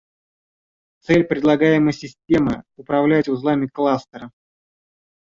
Цель предлагаемой системы – управлять узлами кластера